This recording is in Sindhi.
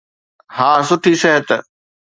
ها، سٺي صحت.